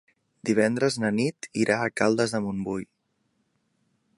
Divendres na Nit irà a Caldes de Montbui.